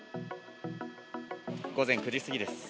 午前９時過ぎです。